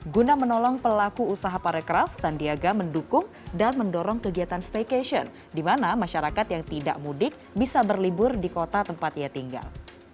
guna menolong pelaku usaha parekraf sandiaga mendukung dan mendorong kegiatan staycation di mana masyarakat yang tidak mudik bisa berlibur di kota tempat ia tinggal